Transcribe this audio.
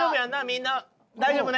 みんな大丈夫ね？